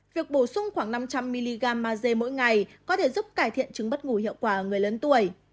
việc bổ sung khoảng năm trăm linh mg maze mỗi ngày có thể giúp cải thiện chứng bất ngủ hiệu quả ở người lớn tuổi